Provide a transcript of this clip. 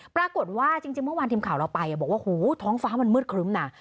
ปรากฏว่าจริงเมื่อวานทีมข่าวเราไปบอกว่าหูท้องฟ้ามันมืดครึ้มนะ